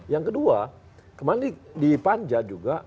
yang kedua kemarin di panja juga